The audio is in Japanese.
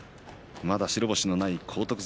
まだ白星のない荒篤山